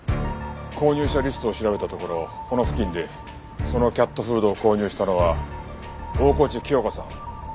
購入者リストを調べたところこの付近でそのキャットフードを購入したのは大河内貴代子さん